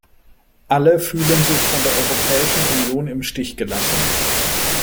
Alle fühlen sich von der Europäischen Union im Stich gelassen.